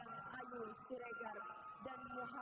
ayu siregar dan muhammad